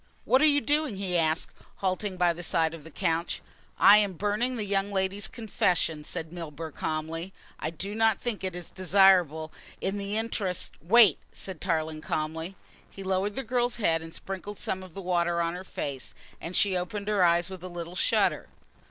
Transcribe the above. "What are you doing?" he asked, halting by the side of the couch. "I am burning the young lady's confession," said Milburgh calmly. "I do not think it is desirable in the interests " "Wait," said Tarling calmly. He lowered the girl's head and sprinkled some of the water on her face, and she opened her eyes with a little shudder.